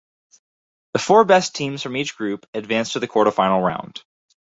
The four best teams from each group advanced to the quarterfinal round.